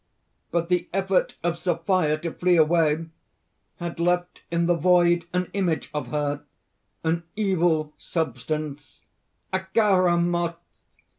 "But the effort of Sophia to flee away had left in the void an image of her an evil substance, Acharamoth.